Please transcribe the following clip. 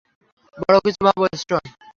বড় কিছু ভাবো, স্টোন।